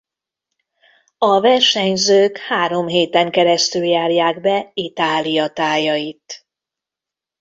A versenyzők három héten keresztül járják be Itália tájait.